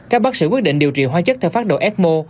các bác sĩ quyết định điều trị hoa chất theo phát đội ecmo